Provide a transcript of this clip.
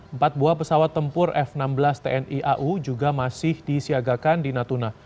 empat buah pesawat tempur f enam belas tni au juga masih disiagakan di natuna